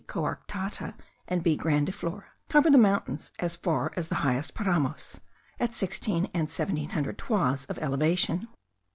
coarctata, and B. grandiflora.) cover the mountains as far as the highest paramos, at sixteen and seventeen hundred toises of elevation.